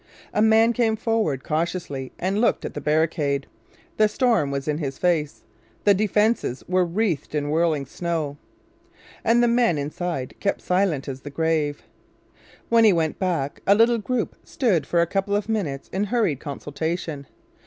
A man came forward cautiously and looked at the barricade. The storm was in his face. The defences were wreathed in whirling snow. And the men inside kept silent as the grave. When he went back a little group stood for a couple of minutes in hurried consultation.